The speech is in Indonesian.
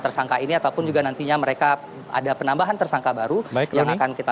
tersangka ini ataupun juga nantinya mereka ada penambahan tersangka baru yang akan kita